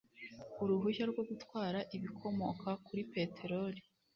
uruhushya rwo gutwara ibikomoka kuri peteroli